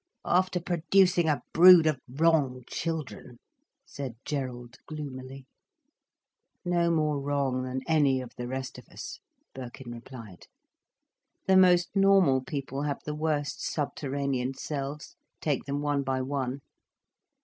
"After producing a brood of wrong children," said Gerald gloomily. "No more wrong than any of the rest of us," Birkin replied. "The most normal people have the worst subterranean selves, take them one by one."